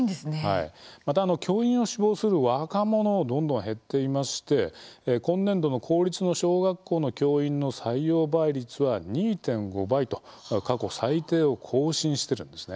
また、教員を志望する若者もどんどん減っていまして今年度の公立の小学校の教員の採用倍率は２．５倍と過去最低を更新してるんです。